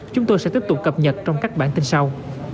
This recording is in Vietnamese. chúng tôi sẽ tiếp tục cập nhật trong các bản tin sau